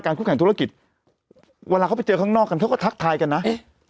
คู่แข่งธุรกิจเวลาเขาไปเจอข้างนอกกันเขาก็ทักทายกันนะ